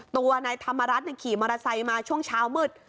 ตัวนายธรรมรัฐขี่มอเตอร์ไซค์มาช่วงเช้ามืด